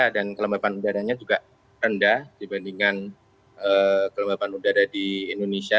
dan kelembapan udaranya juga rendah dibandingkan kelembapan udara di indonesia